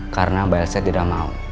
karena mbak elsa tidak mau